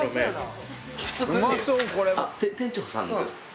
店長さんですか？